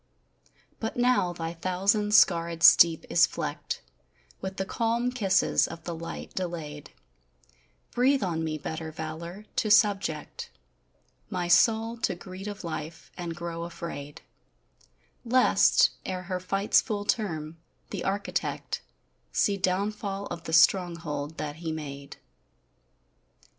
But now thy thousand scarrèd steep is flecked With the calm kisses of the light delayed, Breathe on me better valor: to subject My soul to greed of life, and grow afraid Lest, ere her fight's full term, the Architect See downfall of the stronghold that He made.